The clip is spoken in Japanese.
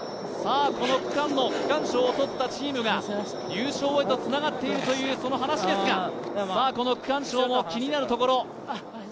この区間の区間賞を取ったチームが優勝へとつながっているという話ですが、区間賞も気になるところ。